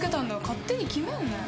勝手に決めんなよ